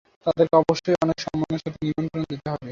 তাদেরকে অবশ্যই অনেক সম্মানের সাথে নিমন্ত্রণ দিতে হবে।